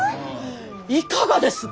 いかがです？